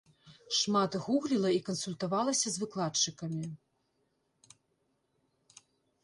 Шмат гугліла і кансультавалася з выкладчыкамі.